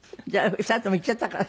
２人とも行っちゃったから。